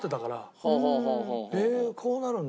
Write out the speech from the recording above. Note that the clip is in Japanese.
へえこうなるんだ。